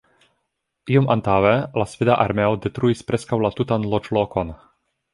Iom antaŭe la sveda armeo detruis preskaŭ la tutan loĝlokon.